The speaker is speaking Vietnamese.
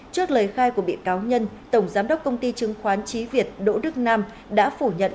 trước lời khai của bị cáo nhân tổng giám đốc công ty chứng khoán trí việt đỗ đức nam đã phủ nhận